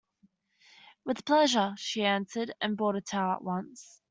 "With pleasure," she answered, and brought a towel at once.